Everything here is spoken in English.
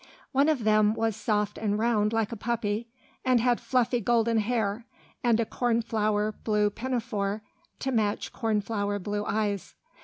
One of them was soft and round like a puppy, and had fluffy golden hair and a cornflower blue pinafore to match cornflower blue eyes.